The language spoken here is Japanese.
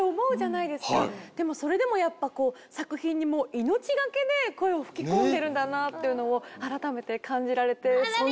でもそれでもやっぱこう作品に命懸けで声を吹き込んでるんだなっていうのを改めて感じられて。